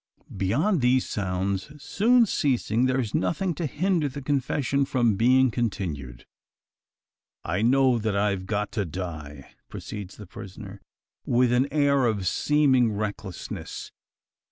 Beyond these sounds, soon ceasing, there is nothing to hinder the confession from being continued. "I know that I've got to die," proceeds the prisoner, with an air of seeming recklessness.